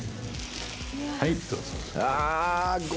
はいどうぞ。